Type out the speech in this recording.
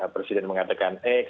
presiden mengatakan x